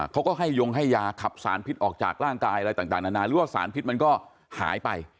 เขาก็ให้ยงให้ยาขับสารพิษออกจากร่างกายอะไรต่างนานาหรือว่าสารพิษมันก็หายไป